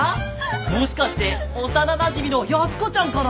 もしかして幼なじみの安子ちゃんかな！？